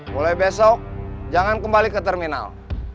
mulai besok jangan kembali ke terminal